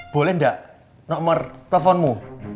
boleh nggak nomor teleponmu